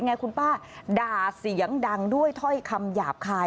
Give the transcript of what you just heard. คุณป้าด่าเสียงดังด้วยถ้อยคำหยาบคาย